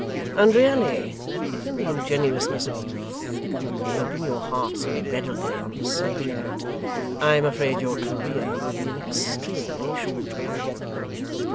And really if in the ingenuousness of youth, you open your heart so readily on the subject, I am afraid your career will be an extremely short one.